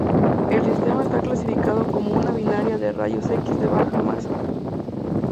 El sistema está clasificado como una binaria de rayos X de baja masa.